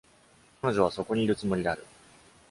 彼女はそこにいるつもりである。